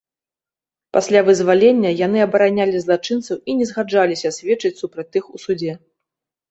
Пасля вызвалення яны абаранялі злачынцаў і не згаджаліся сведчыць супраць тых у судзе.